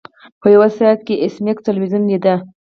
په یو ساعت کې ایس میکس تلویزیون لیده